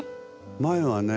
前はねえ